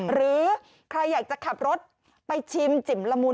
หรือใครอยากจะขับรถไปชิมจิ่มละมุน